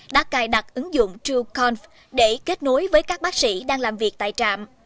đã cài đặt ứng dụng trueconf để kết nối với các bác sĩ đang làm việc tại trạm